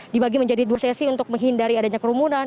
dibagi menjadi dua sesi untuk menghindari adanya kerumunan